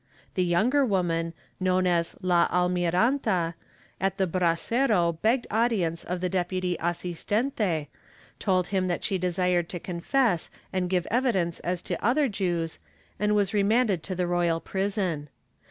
The younger woman, known as La Almiranta, at the brasero begged audience of the deputy assistente, told him that she desired to confess and give evidence as to other Jews and was remanded to the royal prison.